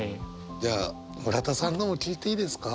じゃあ村田さんのも聞いていいですか？